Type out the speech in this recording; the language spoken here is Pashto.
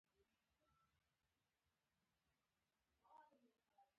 ایا مصنوعي ځیرکتیا د اقتصادي واک توازن نه ګډوډوي؟